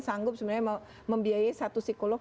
sanggup sebenarnya membiayai satu psikolog